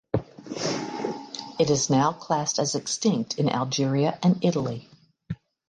It is now classed as extinct in Algeria and Italy.